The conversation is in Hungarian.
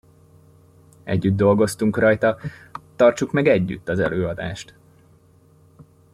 Együtt dolgoztunk rajta, tartsuk meg együtt az előadást!